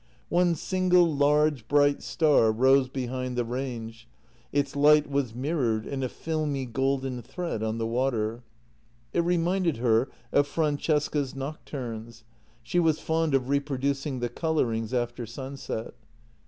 One single large, bright star rose behind the range; its light was mirrored in a filmy golden thread on the water. It reminded her of Francesca's nocturnes; she was fond of reproducing the colourings after sunset.